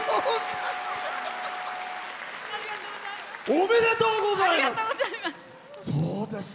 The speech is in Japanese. おめでとうございます！